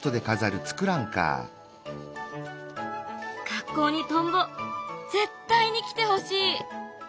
学校にトンボ絶対に来てほしい。